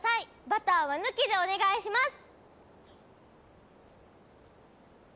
バターは抜きでお願いします！